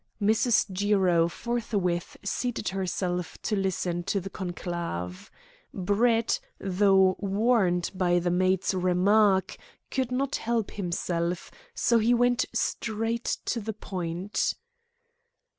Mrs. Jiro forthwith seated herself to listen to the conclave. Brett, though warned by the maid's remark, could not help himself, so he went straight to the point.